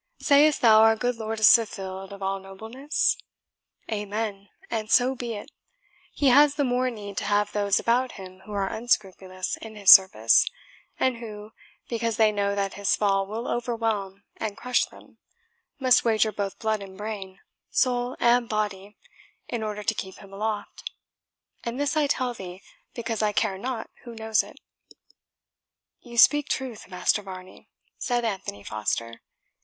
Sayest thou our good lord is fulfilled of all nobleness? Amen, and so be it he has the more need to have those about him who are unscrupulous in his service, and who, because they know that his fall will overwhelm and crush them, must wager both blood and brain, soul and body, in order to keep him aloft; and this I tell thee, because I care not who knows it." "You speak truth, Master Varney," said Anthony Foster.